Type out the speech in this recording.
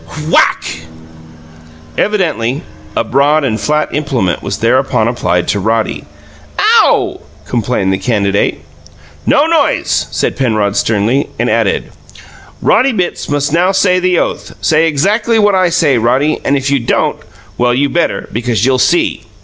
Whack! Evidently a broad and flat implement was thereupon applied to Roddy. "OW!" complained the candidate. "No noise!" said Penrod sternly, and added: "Roddy Bitts must now say the oath. Say exackly what I say, Roddy, and if you don't well, you better, because you'll see!